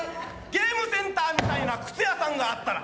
ゲームセンターみたいな靴屋さんがあったら。